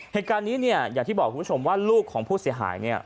เหตุการณ์นี้เนี่ยอย่างที่บอกคุณผู้ชมว่าลูกของผู้เสียหายเนี่ย